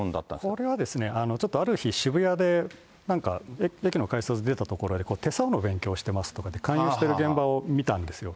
これはですね、ちょっとある日、渋谷で、なんか駅の改札出たところで、手相の勉強してますとかって勧誘してる現場を見たんですよ。